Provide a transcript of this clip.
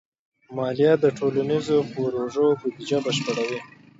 مالیه د ټولنیزو پروژو بودیجه بشپړوي.